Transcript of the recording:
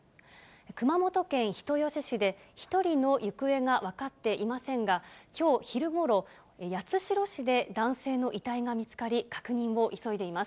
熊本県人吉市で、１人の行方が分かっていませんが、きょう昼ごろ、八代市で男性の遺体が見つかり、確認を急いでいます。